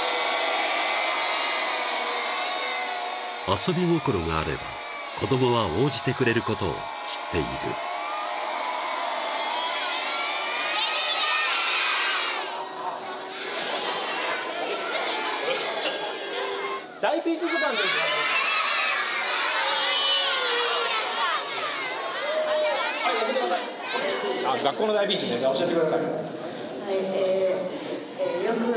遊び心があれば子どもは応じてくれることを知っている「大ピンチずかん」知ってる！